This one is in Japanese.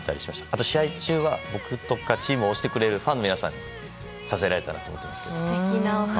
あと、試合中は僕とかチームを押してくれるファンの皆さんに支えられたと思っています。